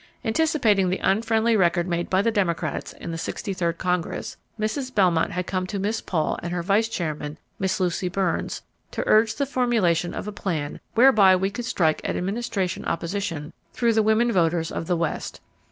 Anticipating the unfriendly record made by the Democrats in the 63rd Congress, Mrs. Belmont had come to Miss Paul and to her vice chairman, Miss Lucy Burns, to urge the formulation of a plan whereby we could strike at Administration opposition through the women voters of the West.